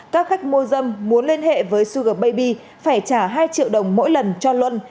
các khách mô dâm muốn liên hệ với sugar baby phải trả hai triệu đồng mỗi lần cho luân